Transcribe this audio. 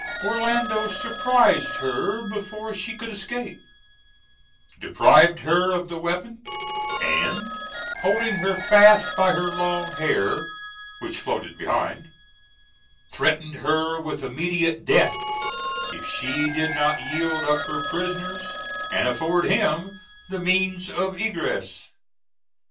Orlando surprised her before she could escape, deprived her of the weapon, and holding her fast by her long hair, which floated behind, threatened her with immediate death if she did not yield up her prisoners, and afford him the means of egress.